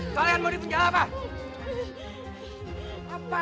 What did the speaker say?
kalian mau dipenjara apa